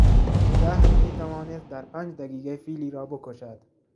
زهر میتوانست در پنج دقیقه فیلی را بکشد.